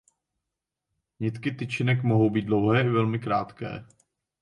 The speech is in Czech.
Nitky tyčinek mohou být dlouhé i velmi krátké.